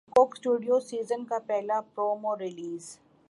کوک Studio season کا پہلا promo release